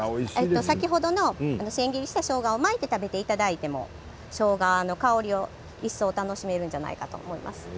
先ほどの千切りしたしょうがを巻いて食べていただいてもしょうがの香りを一層楽しめるんじゃないかと思います。